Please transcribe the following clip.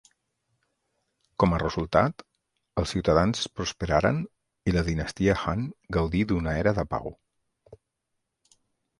Com a resultat, els ciutadans prosperaren i la dinastia Han gaudí d'una era de pau.